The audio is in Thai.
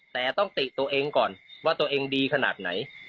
แต่ต้องติตัวเองก่อนว่าตัวเองดีขนาดไหน